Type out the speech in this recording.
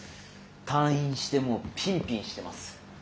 退院してもうピンピンしてます。